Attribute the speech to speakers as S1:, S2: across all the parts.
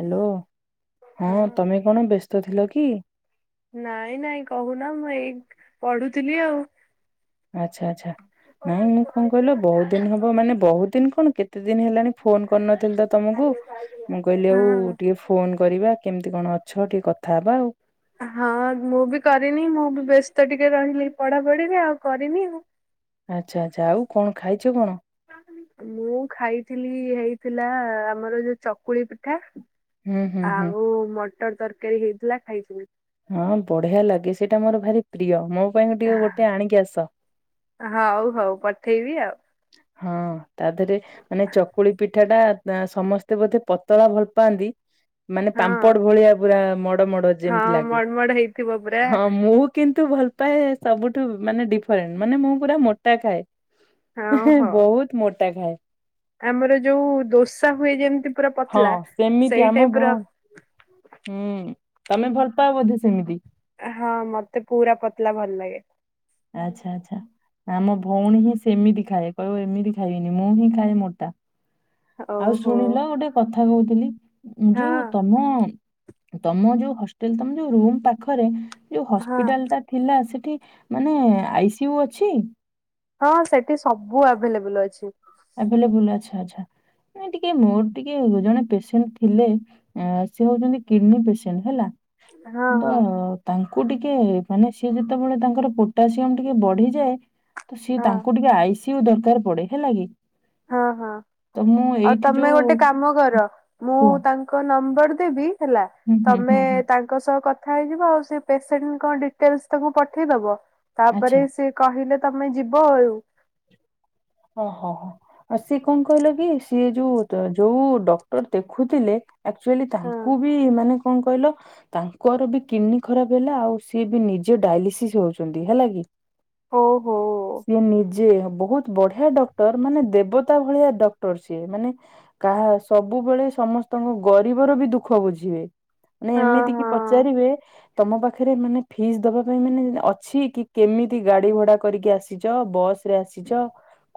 S1: Hello ହଁ ତମେ କଣ ବ୍ୟସ୍ତ ଥିଲ କି?
S2: ନାଇଁ ନାଇଁ କହୁନ ମୁଁ ଏଇ ପଢୁଥିଲି ଆଉ।
S1: ଆଛା ଆଛା ନାଇଁ ମୁଁ କଣ କହିଲ ବହୁତ ଦିନ ହବ ମାନେ ବହୁତ ଦିନ କଣ କେତେ ଦିନ ହେଲାଣି ଫୋନ କରିନଥିଲି ତ ତମକୁ ମୁଁ କହିଲି ଆଉ
S2: ହଁ
S1: ଟିକେ ଫୋନ କରିବା କେମିତି କଣ ଅଛ ଟିକେ କଥାହବା ଆଉ।
S2: ହଁ ମୁଁ ବି କରିନି ମୁଁ ବି ବ୍ୟସ୍ତ ଟିକେ ରହିଲି ପଢାପଢିରେ ଆଉ କରିନି ଆଉ।
S1: ଆଛା ଆଛା ଆଉ କଣ ଖାଇଚ କଣ?
S2: ମୁଁ ଖାଇଥିଲି ହେଇଥିଲା ଆମର ଯୋଉ ଚକୁଳି ପିଠା।
S1: ହୁଁ ହୁଁ ହୁଁ
S2: ଆଉ ମଟର ତରକାରୀ ହେଇଥିଲା ଖାଇଥିଲି।
S1: ହଁ ବଢିଆ ଲାଗେ ସେଇଟା ମୋର ଭାରି ପ୍ରିୟ ମୋ ପାଇଁ ଟିକେ ଗୋଟେ ଆଣିକି ଆସ।
S2: ଆ ହଉ ହଉ ପଠେଇବି ଆଉ।
S1: ହଁ ତା ଦେହେରେ ମାନେ ଚକୁଳି ପିଠା ଟା ସମସ୍ତେ ବୋଧେ ପତଳା ଭଲ ପାଆନ୍ତି ମାନେ ପାମ ପଟ
S2: ହଁ
S1: ଭଳିଆ ପୁରା ମଡ ମଡ ଯେମତି
S2: ହଁ
S1: ଲାଗେ
S2: ମଡ ମଡ ହେଇଥିବ ପୁରା
S1: ହଁ ମୁଁ କିନ୍ତୁ ଭଲ ପାଏ ସବୁଠୁ ମାନେ ଡିଫରେଣ୍ଟ ମାନେ ମୁଁ ପୁରା ମୋଟା ଖାଏ।
S2: ହଁ
S1: ଏହେ
S2: ହଉ
S1: ବହୁତ ମୋଟା ଖାଏ।
S2: ଆମର ଯୋଉ ଦୋସା ହୁଏ ଯେମତି ପୁରା
S1: ହଁ
S2: ପତଲା
S1: ସେମିତି
S2: ସେଇ
S1: ଆମ
S2: ଟାଇପ ର।
S1: ଭଉଣୀ ହୁଁ ତମେ ଭଲ ପାଅ ବୋଧେ ସେମିତି
S2: ହଁ ମତେ ପୁରା ପତଲା ଭଲ ଲାଗେ।
S1: ଆଛା ଆଛା ଆମ ଭଉଣୀ ହିଁ ସେମିତି ଖାଏ କହିବ ଏମିତି ଖାଇବନି ମୁଁ ହିଁ ଖାଏ ମୋଟା। ଆଉ
S2: ଓହୋ।
S1: ଶୁଣିଲ ଗୋଟେ କଥା କହୁଥିଲି ଯୋଉ
S2: ହଁ
S1: ତମ ତମ ଯୋଉ ହଷ୍ଟେଲ ତମ ଯୋଉ ରୁମ ପାଖରେ ଯୋଉ
S2: ହଁ
S1: ହସ୍ପିଟାଲ ଟା ଥିଲା ସେଠି ମାନେ ଆଇ ସି ୟୁ ଅଛି
S2: ହଁ ସେଠି ସବୁ ଆଭେଲେବୁଲ ଅଛି।
S1: ଆଭେଲେବୁଲ ଆଛା ଆଛା ଟିକେ ମୋର ଟିକେ ଜଣେ ପେସେଣ୍ଟ ଥିଲେ। ଆ ସିଏ ହଉଛନ୍ତି କିଡନୀ ପେସେଣ୍ଟ ହେଲା
S2: ହଁ
S1: କି ତ
S2: ହଁ।
S1: ତାଙ୍କୁ ଟିକେ ମାନେ ସିଏ ଯେତେବେଳେ ତାଙ୍କର ପୋଟାସିୟମ ଟିକେ ବଢିଯାଏ ତ ସିଏ
S2: ହଁ
S1: ତାଙ୍କୁ ଟିକେ ଆଇସିୟୁ ଦରକାର ପଡେ ହେଲା କି
S2: ହଁ ହଁ
S1: ତ ମୁଁ
S2: ଆଉ
S1: ଏଇଠି
S2: ତମେ
S1: ଯୋଉ
S2: ଗୋଟେ କାମ କର ମୁଁ
S1: କୁହ
S2: ତାଙ୍କୁ ତାଙ୍କ ନମ୍ବର ଦେବି ହେଲା
S1: ହୁଁ ହୁଁ
S2: ତମେ
S1: ହୁଁ ହୁଁ
S2: ତା ଙ୍କ ସହ କଥା ହେଇଯିବ ଆଉ ସେ ପେସେଣ୍ଟଙ୍କ ଡିଟେଲସ ତାଙ୍କୁ ପଠେଇଦବ
S1: ଆଚ୍ଛା।
S2: ତାପରେ ସେ କହିଲେ ତମେ ଯିବ ଆଉ।
S1: ଓହୋ ହୋ ଆଉ ସିଏ କଣ କହିଲ କି ସିଏ ଯୋଉ ଯୋଉ ଡକ୍ଟର ଦେଖୁଥିଲେ ଆକ୍ଚୁଅଲି
S2: ହଁ।
S1: ତାଙ୍କୁ ବି ମାନେ କଣ କହିଲ ତାଙ୍କର ବି କିଡନୀ ଖରାପ ହେଲା ଆଉ ସିଏ ବି ନିଜେ ଡାଇଲିସିସ୍ ହଉଛନ୍ତି ହେଲା କି?
S2: ଓ ହୋ।
S1: ସିଏ ନିଜେ ବହୁତ ବଢିଆ ଡକ୍ଟର ମାନେ ଦେବତା ଭଳିଆ ଡକ୍ଟର ସିଏ ମାନେ କାହା ସବୁବେଳେ ସମସ୍ତଙ୍କ ଗରିବର ବି ଦୁଃଖ ବୁଝିବେ। ମାନେ
S2: ହଁ
S1: ଏମିତି କି
S2: ହଁ
S1: ପଚାରିବେ ତମ ପାଖରେ ମାନେ ଫିସ୍ ଦବା ପାଇଁ ମାନେ ଅଛି କି କେମିତି ଗାଡି ଭଡା କରିକି ଆସିଛ ବସ୍ ରେ ଆସିଛ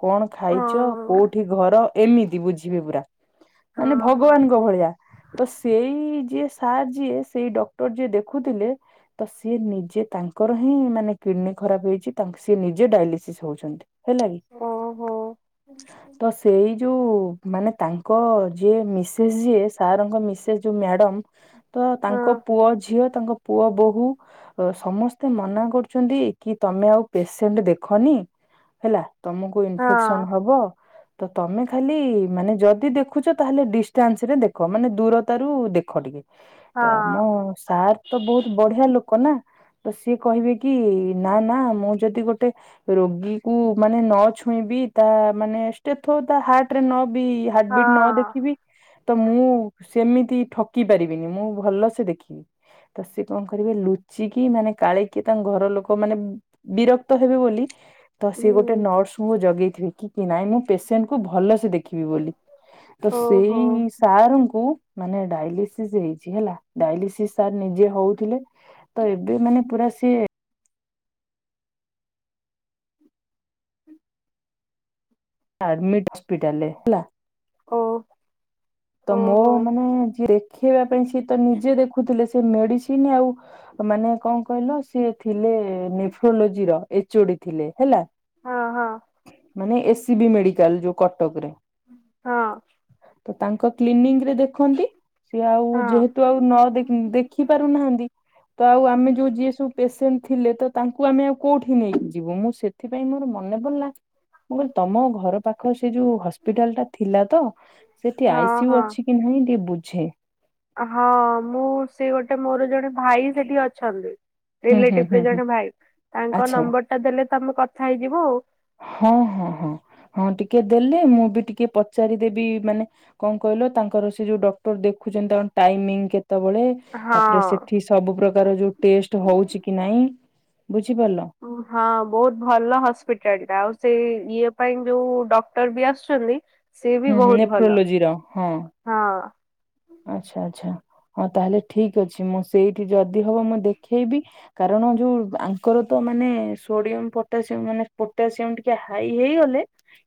S1: କଣ
S2: ହଁ
S1: ଖାଇଛ କୋଉଠି ଘର ଏମିତି ବୁଝିବେ ପୁରା?
S2: ହଁ
S1: ମାନେ ଭଗବାନଙ୍କ ଭଳିଆ ତ ସେଇ ଯିଏ ସାର୍ ଯିଏ ସେଇ ଡକ୍ଟର ଯିଏ ଦେଖୁଥିଲେ ତ ସିଏ ନିଜେ ତାଙ୍କର ହିଁ ମାନେ କିଡନୀ ଖରାପ ହେଇଛି ସିଏ ନିଜେ ଡାଇଲିସିସ୍ ହଉଛନ୍ତି। ହେଲା କି?
S2: ହଁ ଓହୋ।
S1: ତ ସେଇ ଯୋଉ ମାନେ ତାଙ୍କ ଯିଏ ମିସେସ୍ ଯିଏ ସାରଙ୍କ ମିସେସ୍ ଯୋଉ ମ୍ୟାଡମ। ତ
S2: ହଁ
S1: ତାଙ୍କ ପୁଅ ଝିଅ ତାଙ୍କ ପୁଅ ବୋହୂ ସମସ୍ତେ ମନା କରୁଛନ୍ତି କି ତମେ ଆଉ ପେସେଣ୍ଟ ଦେଖନି ହେଲା। ତମକୁ
S2: ହଁ
S1: ଇନଫେକ୍ସନ ହବ। ତ ତମେ ଖାଲି ମାନେ ଯଦି ଦେଖୁଛ ତାହେଲେ ଡିଷ୍ଟାନ୍ସ ରେ ଦେଖ ମାନେ ଦୂରତା ର ଦେଖ ଟିକେ ତ
S2: ହଁ।
S1: ଆମ ସାର୍ ତ ବହୁତ ବଢିଆ ଲୋକ ନା। ତ ସିଏ କହିବେ କି ନା ନା ମୁଁ ଯଦି ଗୋଟେ ରୋଗୀକୁ ମାନେ ମାନେ ନ ଛୁଇଁବି ତା ମାନେ ଷ୍ଟେଥୋ ତା ହାର୍ଟ ବିଟ ନ ବି ହାର୍ଟ ବିଟ୍ ନ ଦେଖିବି ତ ମୁଁ ସେମିତି ଠକି ପାରିବିନି ମୁଁ ଭଲ ସେ ଦେଖିବି। ତ ସେ କଣ କରିବେ ଲୁଚିକି ମାନେ କାଳିକି ତାଙ୍କ ଘର ଲୋକ ମାନେ ବିରକ୍ତ ହେବେ ବୋଲି ତ ସିଏ ଗୋ ମୁଁ ଜଗେଇଥିବେ କି ନାଇଁ ମୁଁ ପେସେଣ୍ଟକୁ ଭଲସ ସେ ଦେଖି ଦେଖିବି ବୋଲି ତ ସେଇ ସାରଙ୍କୁ ମାନେ ଡାଇଲିସିସ୍ ହେଇଛି ହେଲା ଡାଇଲିସିସ୍ ସାର ନିଜେ ହଉଥିଲେ। ତ ଏବେ ମାନେ ପୁରା ସିଏ ଆରମିଟ ହସ୍ପିଟାଲରେ ହେଲା ମୋ ମାନେ ଯିଏ ଖେଇବା ପାଇଁ ସିଏ ତ ନିଜେ ଦେଖୁଥିଲେ ସେ ମେଡିସିନ ଆଉ ମାନେ କଣ କହିଲ ସିଏ ଥିଲେ ନେଫ୍ରୋଲୋଜି ର ଏଚଓଡି ଥିଲେ ହେଲା।
S2: ହଁ ହଁ
S1: ମାନେ ଏସ୍ ସିବି ମେଡିକାଲ ଯୋଉ କଟକରେ।
S2: ହଁ
S1: ତ ତାଙ୍କ କ୍ଲିନିକ ରେ ଦେଖନ୍ତି। ସିଏ ଆଉ
S2: ହଁ
S1: ଯେହେତୁ ଆଉ ନ ଦେଖି ପାରୁନାହାନ୍ତି ତ ଆଉ ଆମେ ଯୋଉ ଯିଏ ସବୁ ପେସେଣ୍ଟ ଥିଲେ ତ ତାଙ୍କୁ ଆମେ ଆଉ କୋଉଠି ନେଇକି ଯିବୁ ମୁଁ ସେଥିପାଇଁ ମୋର ମନେ ପଡ଼ିଲା। ତମ ଘର ପାଖରେ ସେ ଯୋଉ ହସ୍ପିଟାଲ ଟା ଥିଲା ତ ସେଠି
S2: ହଁ
S1: ଆଇସିୟୁ ଅଛି।
S2: ହଁ
S1: ଏ ନାଇଁ ଟିକେ ବୁଝେ।
S2: ହଁ ମୁଁ ସିଏ ଗୋଟେ ମୋର ଜଣେ ଭାଇ ସେଠି ଅଛନ୍ତି।
S1: ହୁଁ ହୁଁ
S2: ରିଲେଟିଭରେ
S1: ହୁଁ ହୁଁ
S2: ଜଣେ ଭାଇ ତାଙ୍କ
S1: ଆଚ୍ଛା
S2: ନମ୍ବର ଟା ଦେଲେ ତମେ କଥା ହେଇଯିବ ଆଉ।
S1: ହଁ ହଁ ହଁ ହଁ ଟିକେ ଦେଲେ ମୁଁ ବି ଟିକେ ପଚାରିଦେବି ମାନେ କଣ କହିଲ ତାଙ୍କର ସେ ଯୋଉ ଡକ୍ଟର ଦେଖୁଛନ୍ତି ତାଙ୍କ ଟାଇମିଂ କେତେବେଳେ ତାପରେ
S2: ହଁ
S1: ସେଠି ସବୁ ପ୍ରକାର ଯୋଉ ଟେଷ୍ଟ ହଉଛି କି ନାଇଁ ବୁଝିପାରିଲ।
S2: ହଁ ବହୁତ ଭଲ ହସ୍ପିଟାଲ ଟା ଆଉ ସେ ଇଏ ପାଇଁ ଯୋଉ ଡକ୍ଟର ବି ଆସୁଛନ୍ତି ସିଏ ବି
S1: ହୁଁ
S2: ବହୁତ ଭଲ
S1: ନେଫ୍ରୋଲୋଜିର ହଁ।
S2: ହଁ।
S1: ଆଚ୍ଛା ଆଚ୍ଛା ହଁ ତାହେଲେ ଠିକ ଅଛି ମୁଁ ସେଇଠି ଯଦି ହବ ମୁଁ ଦେଖେଇବି କାରଣ ଯୋଉ ଆଙ୍କର ତ ମାନେ ସୋଡିୟମ ପଟାସିୟମ ମାନେ ପଟାସିୟମ ଟି କେ ହାଇ ହେଇଗଲେ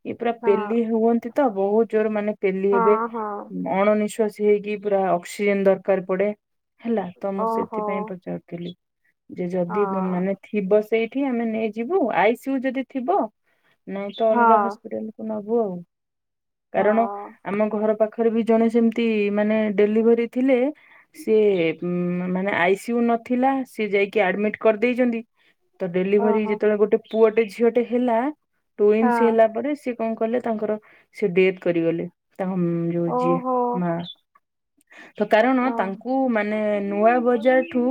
S1: ଏଇ ପୁରା
S2: ହଁ
S1: ପେଲି ହୁଅନ୍ତି ତ ବହୁତ ଜୋର ମାନେ ପେଲି ହେବେ
S2: ହଁ ହଁ
S1: ଅଣନିଶ୍ୱାସୀ ସେ ହେଇକି ପୁରା ଅକ୍ସିଯେନ୍ ଦରକାର ପଡେ ହେଲା। ତ ମୁଁ
S2: ଓହୋ
S1: ସେଥିପାଇଁ ପଚାରୁଥିଲି। ଯେ ଯଦି
S2: ହଁ
S1: ମାନେ ଥିବ ସେଇଠି ଆମେ ନେଇଯିବୁ। ଆଇସିୟୁ ଯଦି ଥିବ, ନା ତ ଅଲଗା
S2: ହଁ
S1: ହସ୍ପିଟାଲ ନବୁ ଆଉ। କାରଣ
S2: ହଁ
S1: ଆମ ଘର ପାଖରେ ବି ଜଣେ ସେମତି ତି, ମାନେ ଡେଲିଭରି ଥିଲେ ସି ମାନେ ଆଇସିୟୁ ନଥିଲା। ସିଏ ଯାଇକି ଆଡମିଟ୍ କରିଦେଇଛନ୍ତି। ତ ଡେଲିଭରି
S2: ଓହୋ
S1: ଯେତେବେଳେ ଗୋଟେ ପୁଅଟେ ଝିଅଟେ ହେଲା, ଟୁଇନ୍ସ
S2: ହଁ
S1: ହେଲା ପରେ ସେ କଣ କଲେ ତାଙ୍କର ସେ ଡେଥ କରିଗଲେ। ତାଙ୍କ ଯୋଉ ଯିଏ
S2: ଓହୋ
S1: ବା ତ କାରଣ
S2: ଓ
S1: ତାଙ୍କୁ, ମାନେ ନୂଆ ବଜାରଠୁ,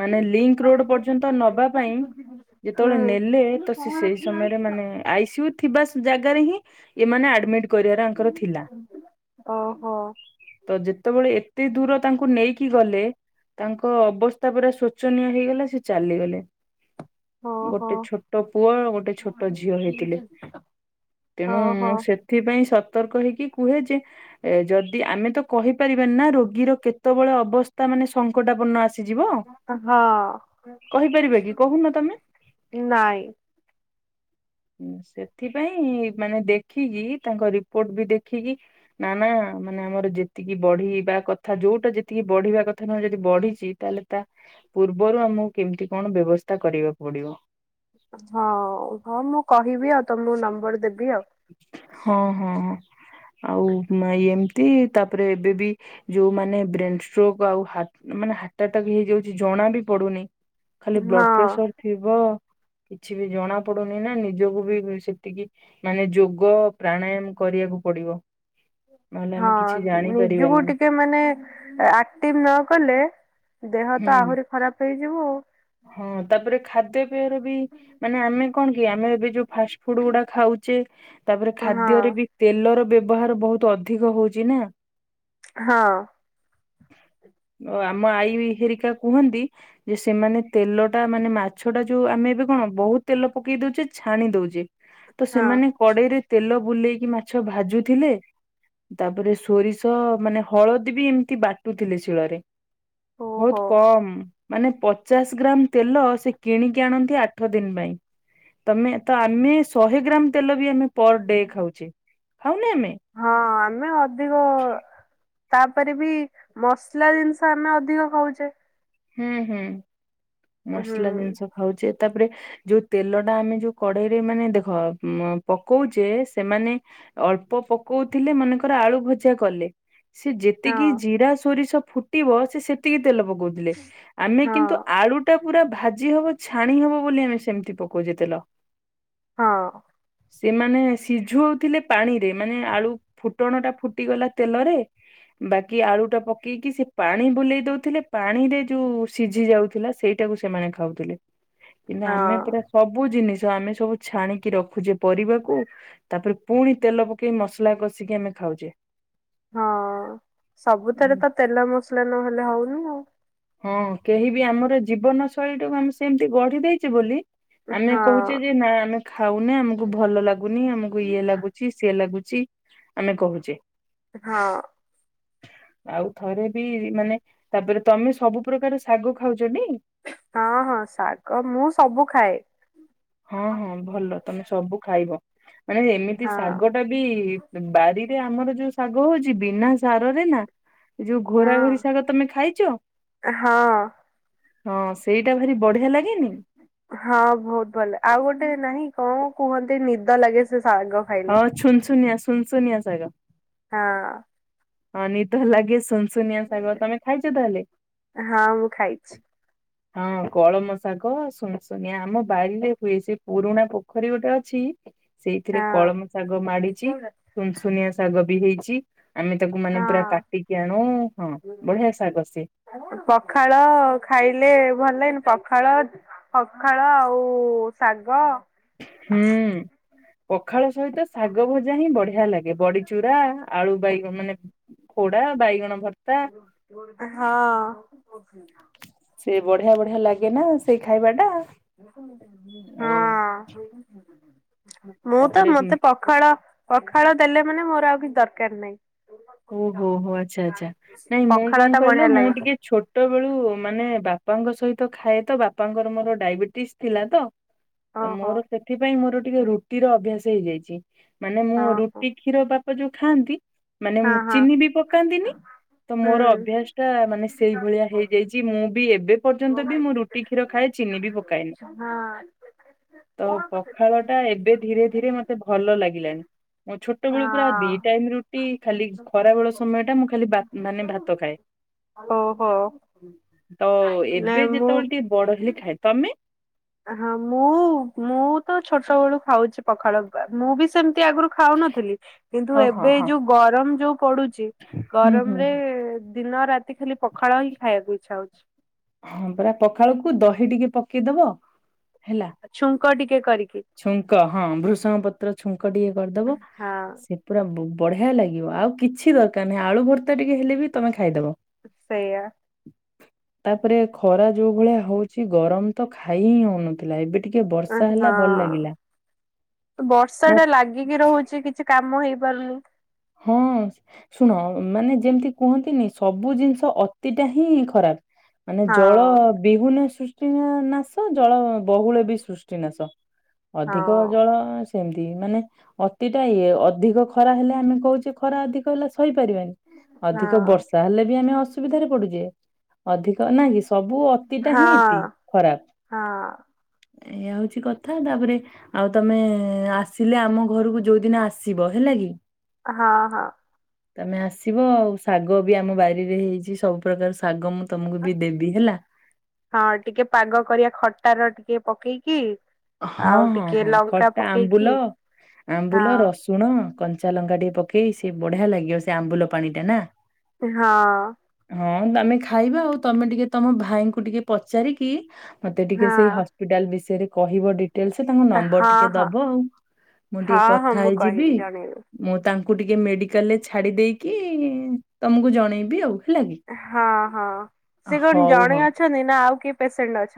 S1: ମାନେ ଲିଙ୍କ ରୋଡ ପର୍ଯ୍ୟ ନ୍ତ, ନବା ପାଇଁ ଯେତେବେଳେ,
S2: ହୁଁ
S1: ନେଲେ ସେଇ ସମୟରେ, ମାନେ ଆଇ ସି ଇଉ ଥିବା ସେ ଜାଗାରେ ହିଁ, ଏମାନେ ଆଡମିଟ କରିବାର ଆଙ୍କର ଥିଲା।
S2: ଓହୋ।
S1: ତ ଯେତେବେଳେ ଏତେ ଦୂର ତାଙ୍କୁ ନେଇକି ଗଲେ ତାଙ୍କ ଅବସ୍ଥା ପୁରା ଶୋଚନୀୟ ହେଇଗଲା, ସେ ଚାଲିଗଲେ।
S2: ଓହୋ
S1: ଗୋଟେ ଛୋଟ ପୁଅ ଆଉ ଗୋଟେ ଛୋଟ ଝିଅ ହେଇଥିଲେ। ତେଣୁ
S2: ଓହୋ
S1: ମୁଁ ସେ ଏଥିପାଇ ସତର୍କ ହେଇକି କୁହେ ଯେ ଏ ଯଦି ଆମେ ତ କହିପାରିବାନି ନା, ରୋଗୀର କେତେବେଳେ ଅବସ୍ଥା ମାନେ ସଙ୍କଟାପନ୍ନ ଆସି ଜୀବ।
S2: ହଁ
S1: କହିପାରିବାକି କହୁନ ତମେ?
S2: ନାଇଁ
S1: ହୁଁ, ସେଥିପାଇଁ ମାନେ ଦେଖିକି, ତାଙ୍କ ରିପୋର୍ଟ ବି ଦେଖିକି ନା ନା ମାନେ ଆମର ଯେତିକି ବଢିବା କଥା ଯୋଉଟା ଯେତିକି ବଢିବା କଥା ନୁହେଁ ଯଦି ବଢିଛି ତାହେଲେ ତା ପୂର୍ବରୁ ଆମକୁ କେମିତି କଣ ବ୍ୟବସ୍ଥା କରିବାକୁ ପଡିବ।
S2: ହଁ ହଁ। ମୁଁ କହିବି ଆଉ ତମକୁ ନମ୍ବର ଦେବି ଆଉ।
S1: ହଁ ହଁ, ହଁ। ଆଉ ଏମିତି, ତାପରେ ଏବେ ବି ଯୋଉ ମାନେ ବ୍ରେନ ଷ୍ଟ୍ରକ୍ ଆଉ ହା ମାନେ ହାଟଆଟାକ ହେଇଯାଉଛି ଜଣା ବି ପଡୁନି। ଖାଲି ବ୍ଲଡ଼
S2: ହଁ
S1: ପ୍ରେସର ଥିବ। କିଛି ବି ଜଣା ପଡୁନି ନା ନିଜକୁ ବି ସେତିକି ମାନେ ଯୋଗ ପ୍ରାଣାୟାମ କରିବାକୁ ପଡିବ। ନହେଲେ
S2: ହଁ
S1: ଆମେ କିଛି
S2: ନିଜକୁ
S1: ଜାଣିପାରିବାନି।
S2: ଟିକେ ମାନେ ଆକ୍ଟିଭ ନ କଲେ, ଦେହ ତ
S1: ହୁଁ
S2: ଆହୁରି ଖରାପ ହେଇଯିବ ଆଉ।
S1: ହଁ, ତାପରେ ଖାଦ୍ୟ ପେୟର ବି ମାନେ ଆମେ କଣ କି, ଆମେ ଏବେ ଯୋଉ ଫାଷ୍ଟ ଫୁଡ ଗୁଡା ଖାଉଛେ? ତାପରେ
S2: ହଁ
S1: ଖାଦ୍ୟରେ ବି ତେଲର ବ୍ୟ ବାହାର ବହୁତ ଅଧିକ ହଉଛି ନା?
S2: ହଁ।
S1: ଓ ଆମ ଆଈ ହେରିକା କୁହନ୍ତି, ଯେ ସେମାନେ ତେଲ ଟା ମାନେ ମାଛ ଟା ଯୋଉ ଆମେ ଏବେ କଣ ବହୁତ ତେଲ ପକେଇ ଦଉେ ଛାଣି ଦଉେଛେ ତ
S2: ହଁ
S1: ସେମାନେ କଡ଼େଇରେ ତେଲ ବୁଲେଇକି ମାଛ ଭାଜୁଥିଲେ ତାପରେ ସୋରିଷ, ମାନେ ହଳଦୀ ବି ଏମିତି ବାଟୁଥିଲେ ଶିଳରେ।
S2: ଓହୋ
S1: ବହୁତୁ କମ୍, ମାନେ ପ ପଚାଶ ଗ୍ରାମ୍ ତେଲ ସେ କିଣିକି ଆଣନ୍ତି ଆଠ ଦିନ ପାଇଁ। ତମେ ତ ଆମେ ଶହେ ଗ୍ରାମ ତେଲ ବି ଆମେ ପର ଡେ ଖାଉଛେ। ଖାଉନି ଆମେ?
S2: ହଁ ଆମେ ଅଧିକ ତାପରେ ବି ମସଲା ଜିନିଷ ଆମେ ଅଧିକ ଖାଉଛେ?
S1: ହୁଁ ହୁଁ।
S2: ହୁଁ
S1: ମସଲା ଜିନିଷ ଖାଉଛେ, ତାପରେ ଯୋଉ ତେଲ ଟା ଆମେ ଯୋଉ କଡେଇରେ, ମାନେ ଦେଖ ପକଉଛେ ସେମାନେ ଅଳ୍ପ ପକଉଥିଲେ ମନେକର ଆଳୁ ଭଜା କଲେ ସେ
S2: ହଁ
S1: ଯେତିକି ଜିରା ସୋରିଷ ଫୁଟିବ, ସେ ସେତିକି ତେଲ ପକଉ ଥିଲେ ଆମେ
S2: ହଁ
S1: କିନ୍ତୁ ଆଳୁ ଟା ପୁରା ଭାଜି ହବ ଛାଣି ହବ ବୋଲି ଆମେ ସେମିତି ପକଉଛେ ତେଲ।
S2: ହଁ।
S1: ସେମାନେ ସିଝୁ ହଉଥିଲେ ପାଣିରେ ମାନେ ଆଳୁ। ଫୁଟଣ ଟା ଫୁଟିଗଲା ତେଲରେ। ବାକି ଆଳୁ ଟା ପକେଇକି ସେ ପାଣି ବୁଲେଇ ଦଉଥିଲେ ପାଣିରେ ଯୋଉ ସିଝି ଯାଉଥିଲା ସେଇଟାକୁ ସେମାନେ ଖାଉଥିଲେ କିନ୍ତୁ ଆମେ
S2: ହଁ
S1: ପୁରା ସବୁ ଜିନିଷ ଆମେ ସବୁ ଛାଣିକି ରଖୁଛେ ପରିବାକୁ। ତାପରେ ପୁଣି ତେଲ ପକେଇ ମସଲା କଷିକି ଆମେ ଖାଉଛେ।
S2: ହଁ ସବୁଥରେ ତ ତେଲ ମସଲା ନହେଲେ ହଉନି ଆଉ।
S1: ହଁ କେହି ବି ଆମର ଜୀବନ ଶୈଳୀ ଟାକୁ ଆମେ ସେମତି ଗଢି ଦେଇଛେ ବୋଲି। ଆମେ
S2: ହଁ
S1: କହୁଛେ ଯେ ନା ଆମେ ଖାଉନେ ଆମକୁ ଭଲ ଲାଗୁନି ଆମକୁ ଇଏ ଲାଗୁ ଚି ସି ଲାଗୁଛି ଆମେ କହୁଛେ।
S2: ହଁ।
S1: ଆଉ ଥରେ ବି ମାନେ ତାପରେ ତମେ ସବୁ ପ୍ରକାର ଶାଗ ଖାଉଛ ଟି?
S2: ହଁ ହଁ ଶାଗ ମୁଁ ସବୁ ଖାଏ।
S1: ହଁ ହଁ ଭଲ ତମେ ସବୁ ଖାଇବ। ମାନେ ଏମିତି
S2: ହଁ
S1: ଶାଗଟା ବି ବାରିରେ ଆମର ଯୋଉ ଶାଗ ହଉଛି ବିନା ସାରରେ ନା। ଏ ଯୋଉ
S2: ହଁ
S1: ଘୋରାଘୋରି ଶାଗ ତମେ ଖାଇଛ?
S2: ହଁ
S1: ହଁ ସେଇଟା ଭାରି ବଢିଆ ଲାଗେନି।
S2: ହଁ ବହୁତ ଭଲ ଆଉ ଗୋଟେ ନାହିଁ କଣ କୁହନ୍ତି ନିଦ ଲାଗେ ସେ ଶାଗ। ଖାଇଲେ।
S1: ହଁ ଛୁନଛୁନିଆ ଶୁନସୁନିଆ ଶାଗ।
S2: ହଁ।
S1: ହଁ ନିଦ ଲାଗେ ସୁନସୁନିଆ ଶାଗ ତମେ ଖାଇଛ ତାହଲେ।
S2: ହଁ ମୁଁ ଖାଇଛି
S1: ହଁ ହଁ କଳମ ଶାଗ ସୁନୁଶୁନିଆ ଆମ ବାରୀରେ ହୁଏ। ସେ ପୁରୁଣା ପୋଖରୀ ଗୋଟେ ଅଛି। ସେଇଥିରେ
S2: ହଁ
S1: କଳମ ଶାଗ ମାଡିଛି ସୁନସୁନିଆ ଶାଗ ବି ହେଇଛି। ଆମେ ତାକୁ ମାନେ ପୁରା
S2: ହଁ।
S1: କାଟିକି ଆଣୁ ହଁ ବଢିଆ ଶାଗ ସେ।
S2: ପଖାଳ ଖାଇଲେ ଭଲ ଲାଗେନି ପଖାଳ। ପଖାଳ ଆଉ ଶାଗ।
S1: ହୁଁ ପଖାଳ ସହିତ ଶାଗ ଭଜା ହିଁ ବଢିଆ ଲାଗେ। ଏ ବଡିଚୁରା ଆଳୁ ବାଇଗଣ ମାନେ ପୋଡା ବାଇଗଣ ଭର୍ତ୍ତା।
S2: ହଁ।
S1: ସେ ବଢିଆ ବଢିଆ ଲାଗେ ନା ସେଇ ଖାଇବା ଟା ଆଉ
S2: ଆ ହୁଁ। ମୁଁ ତ
S1: ତାପରେ
S2: ମତେ ପଖାଳ ପଖାଳ ଦେଲେ ମାନେ ମୋର ଆଉ କିଛି ଦରକାର ନାହିଁ।
S1: ଓହୋ ହୋ ଆଚ୍ଛା ଆଚ୍ଛା ନାଇଁ ମୁଁ
S2: ପଖାଳ
S1: କଣ
S2: ଟା
S1: କହିଲ
S2: ବଢିଆ
S1: ମୁଁ
S2: ଲାଗେ
S1: ଟିକେ ଛୋ ଛୋଟବେଳୁ ମାନେ ବାପାଙ୍କ ସହିତ ଖାଏ ତ ବାପାଙ୍କର ମୋର ଡାଇବେଟିସ୍ ଥିଲା ତ ତ
S2: ଓହୋ
S1: ମୋର ସେଥିପାଇଁ ମୋର ଟିକେ ରୁଟି ର ଅଭ୍ୟାସ ହେଇଯାଇଛି। ମାନେ ମୁଁ
S2: ଓହୋ
S1: ରୁଟି କ୍ଷୀର ବାପ ଯୋଉ ଖାଆନ୍ତି ମାନେ
S2: ହଁ ହଁ
S1: ଚିନି ବି ପକାନ୍ତିନି ତ
S2: ହୁଁ
S1: ମୋର ଅଭ୍ୟାସ ଟା ମାନେ ସେଇଭଳିଆ ହେଇ ଦେଇଚି ମୁଁ ବି ଏବେ ପର୍ଯ୍ୟନ୍ତ ବି ମୁଁ ରୁଟି କ୍ଷୀର ଖାଏ ଚିନି ବି ପକାଏନି।
S2: ହଁ।
S1: ତ ପଖାଳ ଟା ଏବେ ଧୀରେ ଧୀରେ ମତେ ଭଲ ଲାଗିଲାଣି। ମୋ ଛୋଟବେଳୁ ପୁରା ଦି
S2: ହଁ
S1: ଟାଇମ୍ ରୁଟି। ଖାଲି ଖରାବେଳ ସମୟ ଟା ମୁଁ ଖାଲି ମାନେ ଭାତ ଖାଏ।
S2: ଓହୋ
S1: ତ ଏବେ
S2: ନାଇଁ ମୁଁ
S1: ଯେତେବେଳେ ଟିକେ ବଡ଼ ହେଲେ ଖାଏ ତ ଆମେ
S2: ହଁ ମୁଁ ମୁଁ ତ ଛୋଟ ବେଳୁ ଖାଉଛି ପଖାଳ ବା ମୁଁ ବି ସେମିତି ଆଗରୁ ଖାଉନଥିଲି କିନ୍ତୁ
S1: ହଁ ହଁ
S2: ଏବେ
S1: ହଁ
S2: ଯୋଉ ଗରମ ଯୋଉ ପଡୁଛି
S1: ହୁଁ ହୁଁ
S2: ଗରମରେ ଦିନ ରାତି ଖାଲି ପଖାଳ ହିଁ ଖାଇବାକୁ ଇଚ୍ଛା ହୋଉଚି।
S1: ହଁ ପରା ପଖାଳକୁ ଦହି ଟିକେ ପକେଇ ଦବ ହେଲା।
S2: ଛୁଙ୍କ ଟିକେ କରିକି
S1: ଛୁଙ୍କ ହଁ ଭୃଷଙ୍ଗ ପତ୍ର ଛୁଙ୍କ ଟିକେ କରିଦବ
S2: ହଁ
S1: ସେ ପୁରା ବୁ ବଢ଼ିଆ ଲାଗିବ ଆଉ କିଛି ଦରକାର ନାହିଁ ଆଳୁ ଭର୍ତ୍ତା ଟିକେ ହେଲେ ବି ତମେ ଖାଇଦବ।
S2: ସେଇଆ।
S1: ତାପରେ ଖରା ଯୋଉ ଭଳିଆ ହଉଚି ଗରମ ତ ଖାଇ ହିଁ ହଉନଥୁଲା ଏବେ ଟିକେ ବର୍ଷା ହେଲା ଭଲ ଲାଗିଲା
S2: ହଁ
S1: ବା
S2: ବର୍ଷାଟା ଲାଗିକି ରହୁଚି କିଛି କାମ ହେଇପାରୁନି।
S1: ହଁ। ଶୁଣ ମାନେ ଯେମତି କୁହନ୍ତିନି ସବୁ ଜିନଷ ଅତିଟା ହିଁ ଖରାପ୍। ମାନେ ଜଳ
S2: ହଁ
S1: ବିହୁନେ ସୃଷ୍ଟି ନା ନାଶ ଜଳ ବୋହୁଳ ବି ସୃଷ୍ଟି ନାଶ। ଅଧିକ
S2: ହଁ
S1: ଜଳ ସେମତି ମାନେ ଅତିଟା ଇଏ ଅଧିକ ଖରା ହେଲେ ଆମେ କୋହୁଚି ଖରା ଅଧିକ ହେଲା ସହି ପାରିବାନି
S2: ହଁ
S1: ଅଧିକ ବର୍ଷ ତାହେଲେ ବି ଆମେ ଅସୁବିଧାରେ ପଡ଼ୁଚେ ଅଧିକ ନାଗିସ୍ ସବୁ ଅତିଟା
S2: ହଁ
S1: ହିଁ ଇତି ଖରାପ
S2: ହଁ
S1: ଏଇଆ ହଉଛି କଥା ତାପରେ ଆଉ ତମେ ଆସିଲେ ଆମ ଘରୁକୁ ଯୋଉ ଦିନ ଆସିବ। ହେଲା କି?
S2: ହଁ ହଁ।
S1: ତମେ ଆସିବ ଆଉ ଶାଗ ବି ଆମ ବାରିରେ ହେଇଚି ସବୁ ପ୍ରକାର ଶାଗ ମୁଁ ତମୁକୁ ବି ଦେବି ହେଲା।
S2: ହଁ ଟିକେ ପାଗ କରିଆ ଖଟାର ଟିକେ ପକେଇକି।
S1: ହଁ
S2: ଆଉ
S1: ହଁ
S2: ଟିକେ
S1: ହଁ
S2: ଲଙ୍କା
S1: ଖଟା
S2: ପକେଇକି
S1: ଆମ୍ବୁଲ ଆମ୍ବୁଲ
S2: ହଁ
S1: ରସ୍ ତୁଣ କଞ୍ଚା ଲଙ୍କା ଟିକେ ପକେଇ ସିଏ ବଢ଼ିଆ ଲାଗିବ ସେ ଆମ୍ବୁଲ ପାଣିଟା, ନାଁ?
S2: ଏ ହଁ।
S1: ହଁ ତମେ ଖାଇବା ଆଉ ତମେ ଟିକେ ତମ ଭାଇଙ୍କୁ ଟିକେ ପଚାରିକି ମତେ ଟିକେ
S2: ହଁ
S1: ସେଇ ହସ୍ପିଟାଲ୍ ବିଷୟରେ କହିବ ଡେ ଟେଲସ୍ ତାଙ୍କ ନମ୍ବର୍
S2: ହଁ
S1: ଟିକେ
S2: ହଁ
S1: ଦବ ଆଉ ମୁଁ ଟିକେ
S2: ହଁ ହଁ
S1: କଥା
S2: ମୁଁ
S1: ହେଇଯିବି।
S2: କହିବି ଜଣେଇବି
S1: ମୁଁ ତାଙ୍କୁ ଟିକେ ମେଡ଼ିକାଲ୍ ରେ ଛାଡ଼ି ଦେଇକି ତମୁକୁ ଜଣେଇବି ଆଉ। ହେଲା କି।
S2: ହଁ ହଁ ସେ କଣ
S1: ହଉ ହଉ
S2: ଜଣେ ଅଛନ୍ତି ନାଁ ଆଉ କିଏ ପେସେଣ୍ଟ୍ ଅଛ?